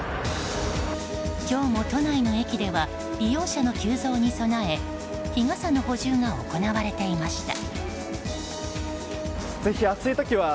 今日も都内の駅では利用者の急増に備え日傘の補充が行われていました。